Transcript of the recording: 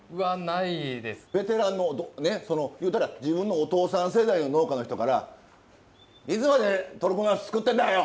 ベテランのいうたら自分のお父さん世代の農家の人からいつまでトルコナス作ってんだよ！